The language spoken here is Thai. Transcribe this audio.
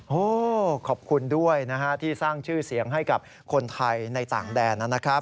โอ้โหขอบคุณด้วยนะฮะที่สร้างชื่อเสียงให้กับคนไทยในต่างแดนนะครับ